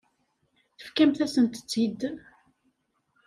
Tefkamt-asent-tt-id.